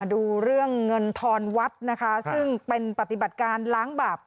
ดูเรื่องเงินทอนวัดนะคะซึ่งเป็นปฏิบัติการล้างบาป